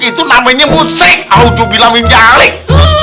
itu namanya musik awjo bilangnya jalik